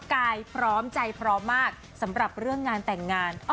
กายพร้อมใจพร้อมมากสำหรับเรื่องงานแต่งงาน